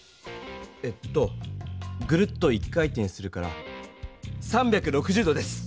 えっとグルッと一回転するから３６０度です。